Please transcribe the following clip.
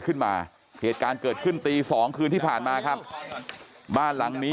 เหตุการณ์เกิดขึ้นตีสองคืนที่ผ่านมาครับบ้านหลังนี้